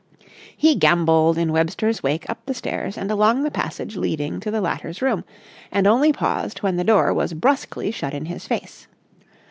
He gambolled in Webster's wake up the stairs and along the passage leading to the latter's room, and only paused when the door was brusquely shut in his face.